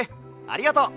ありがとう！